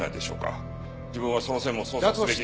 自分はその線も捜査すべき。